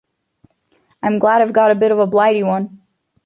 I'm glad I've got a bit of a blighty one.